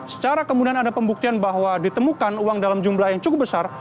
secara kemudian ada pembuktian bahwa ditemukan uang dalam jumlah yang cukup besar